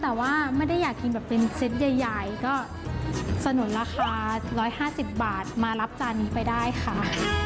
แต่ว่าไม่ได้อยากกินแบบเป็นเซตใหญ่ก็สนุนราคา๑๕๐บาทมารับจานนี้ไปได้ค่ะ